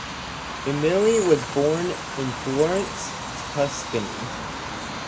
Umiliani was born in Florence, Tuscany.